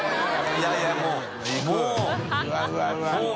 いやいやもうもう！